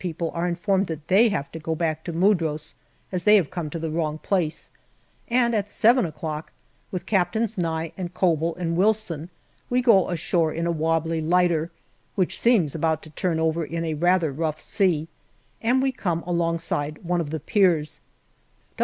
people are informed that they have to go back to Mudros, as they have come to the wrong place, and at seven o'clock, with Captains Nye and Koebel and Wilson, we go ashore in a wobbly lighter, which seems about to turn over in a rather rough sea, and we come alongside one of the piers.